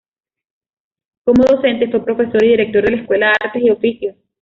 Como docente, fue profesor y director de la Escuela Artes y Oficios.